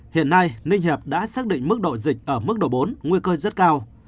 hiện nay ninh hiệp đã xác định mức độ dịch ở mức độ bốn nguy cơ rất cao